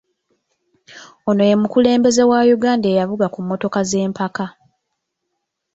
Ono ye mukulembeze wa Uganda eyavuga ku mmotoka z’empaka.